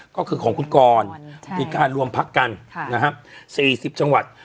ก็คือของคุณกรใช่มีการรวมพักกันค่ะนะฮะสี่สิบจังหวัด